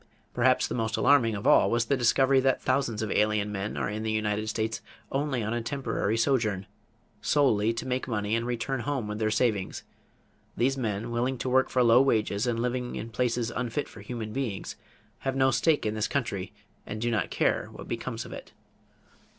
Perhaps most alarming of all was the discovery that thousands of alien men are in the United States only on a temporary sojourn, solely to make money and return home with their savings. These men, willing to work for low wages and live in places unfit for human beings, have no stake in this country and do not care what becomes of it.